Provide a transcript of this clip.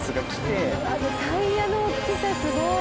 うわあタイヤの大きさすごい。